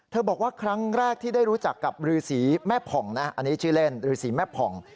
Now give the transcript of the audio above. บอกว่าครั้งแรกที่ได้รู้จักกับรือสีแม่ผ่องนะอันนี้ชื่อเล่นรือสีแม่ผ่อง